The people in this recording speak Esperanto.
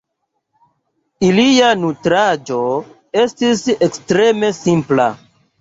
Ilia nutraĵo estis ekstreme simpla.